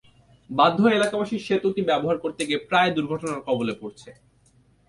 বাধ্য হয়ে এলাকাবাসী সেতুটি ব্যবহার করতে গিয়ে প্রায় দুর্ঘটনার কবলে পড়ছে।